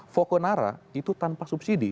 fokonara itu tanpa subsidi